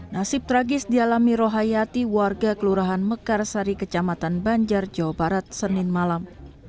nasib tragis dialami rohayati warga kelurahan mekarsari kecamatan banjar jawa barat senin malam